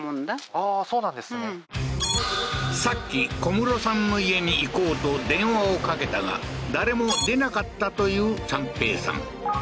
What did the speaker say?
さっき、コムロさんの家に行こうと電話を掛けたが誰も出なかったという三瓶さん。